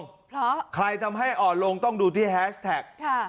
เพราะใครทำให้อ่อนลงต้องดูที่แฮชแท็ก